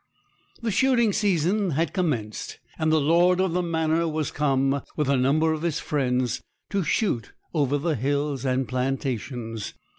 The shooting season had commenced, and the lord of the manor was come, with a number of his friends, to shoot over the hills and plantations.